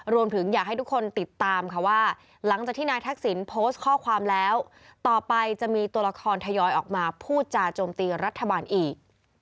รวมถึงอยากให้ทุกคนติดตามค่ะว่าหลังจากที่นายทักษิณโพสต์ข้อความแล้วต่อไปจะมีตัวละครทยอยออกมาพูดจาโจมตีรัฐบาลอีก